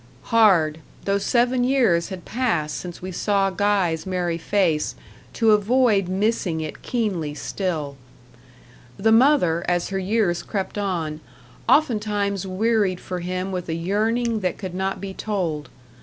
Hard, though seven years had passed since we saw Guy's merry face, to avoid missing it keenly still. The mother, as her years crept on, oftentimes wearied for him with a yearning that could not be told.